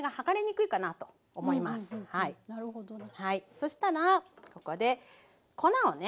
そしたらここで粉をね。